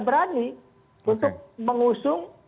berani untuk mengusung